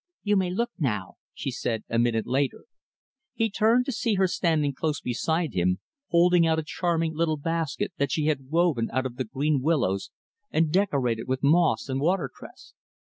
"You may look, now," she said, a minute later. He turned to see her standing close beside him, holding out a charming little basket that she had woven of the green willows and decorated with moss and watercress.